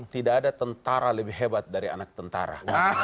tidak ada tentara lebih hebat dari anak tentara